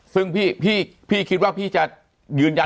ซึ่งพี่พี่คิดว่าพี่จะยืนยันเหมือนกันไหม